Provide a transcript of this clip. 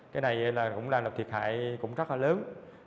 cái này cũng làm thiệt hại rất là lớn